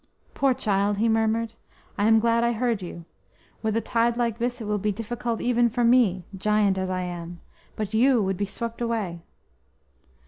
"Poor child!" he murmured, "I am glad I heard you. With a tide like this it will be difficult even for me, giant as I am, but you would be swept away."